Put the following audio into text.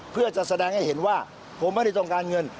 เพื่อจะแสดงให้เห็นว่าผมไม่ได้ต้องการเงิน